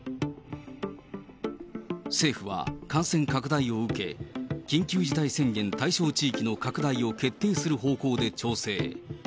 政府は、感染拡大を受け、緊急事態宣言対象地域の拡大を決定する方向で調整。